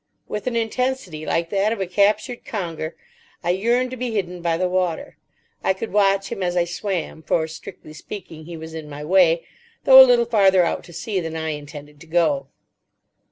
With an intensity like that of a captured conger I yearned to be hidden by the water. I could watch him as I swam, for, strictly speaking, he was in my way, though a little farther out to sea than I intended to go.